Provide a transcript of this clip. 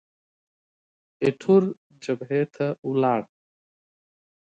ایټور جبهې ته ولاړ.